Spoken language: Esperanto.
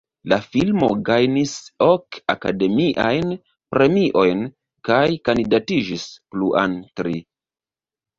La filmo gajnis ok Akademiajn Premiojn kaj kandidatiĝis pluan tri.